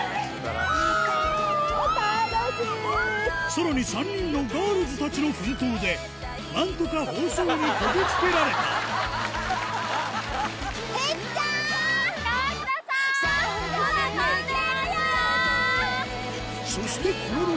さらに３人のガールズたちの奮闘で何とか放送にこぎ着けられた夫人！